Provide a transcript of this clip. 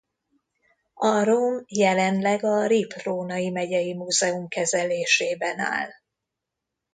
A rom jelenleg a Rippl-Rónai Megyei Múzeum kezelésében áll.